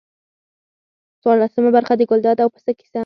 څوارلسمه برخه د ګلداد او پسه کیسه.